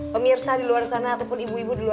pemirsa di luar sana ataupun ibu ibu